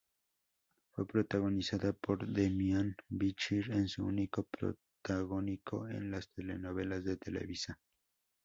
Fue protagonizada por Demián Bichir en su único protagónico en las telenovelas de Televisa.